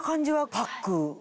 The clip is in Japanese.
パック。